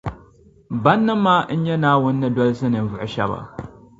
Bannim’ maa n-nyɛ Naawuni ni dolsi ninvuɣu shεba